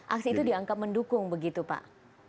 aksi itu dianggap mendukung begitu pak